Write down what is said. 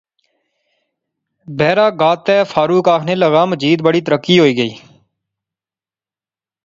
بیرا گا تے فاروق آخنے لاغا مجید بڑی ترقی ہوئی گئی